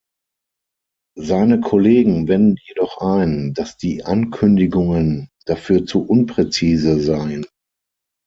Seine Kollegen wenden jedoch ein, dass die Ankündigungen dafür zu unpräzise seien.